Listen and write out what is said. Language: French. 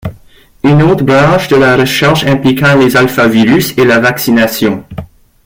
Une autre branche de la recherche impliquant les alphavirus est la vaccination.